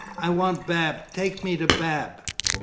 I want Bab, take me to Bab!"